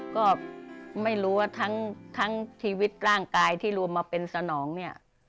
ก็ไม่รู้ว่าทั้งชีวิตร่างกายที่รวมมาเป็นสนองเนี่ย